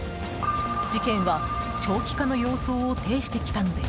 事件は長期化の様相を呈してきたのです。